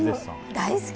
大好き。